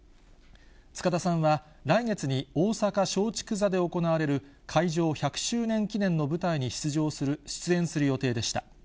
塚田さんは来月に大阪松竹座で行われる開場１００周年記念の舞台に出演する予定でした。